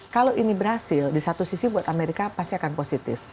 kalau ini berhasil di satu sisi buat amerika pasti akan positif